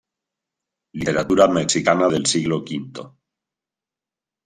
Literatura mexicana del siglo V".